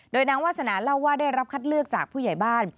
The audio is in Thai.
โดยนางวาสนาเล่าว่าได้รับคัดเลือกจากผู้ใหญ่บ้าน